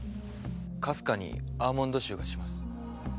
かすかにアーモンド臭がします。